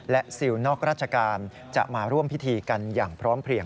ซิลนอกราชการจะมาร่วมพิธีกันอย่างพร้อมเพลียง